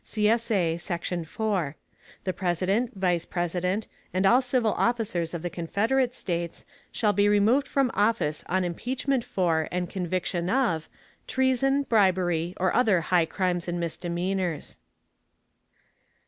[CSA] Section 4. The President, Vice President, and all civil officers of the Confederate States, shall be removed from office on impeachment for and conviction of, treason, bribery, or other high crimes and misdemeanors.